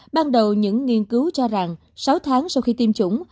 ban đầu những nghiên cứu cho rằng sáu tháng sau khi tiêm chủng